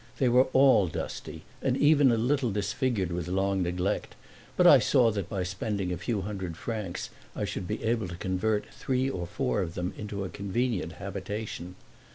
They were all dusty and even a little disfigured with long neglect, but I saw that by spending a few hundred francs I should be able to convert three or four of them into a convenient habitation.